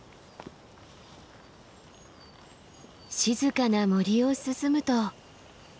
静かな森を進むと。